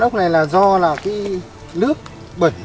con ốc này là do là cái nước bẩn